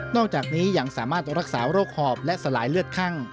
อกจากนี้ยังสามารถรักษาโรคหอบและสลายเลือดคั่ง